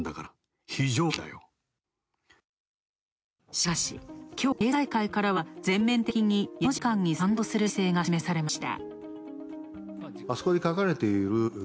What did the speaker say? しかし、きょう経済界からは全面的に矢野次官に賛同する姿勢が示されました。